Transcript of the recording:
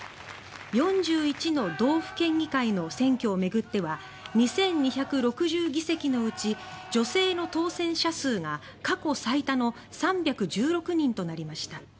４１の道府県議会の選挙を巡っては２２６０議席のうち女性の当選者数が過去最多の３１６人となりました。